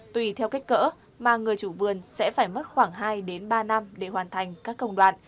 tùy theo cách cỡ mà người chủ vườn sẽ phải mất khoảng hai đến ba năm để hoàn thành các công đoạn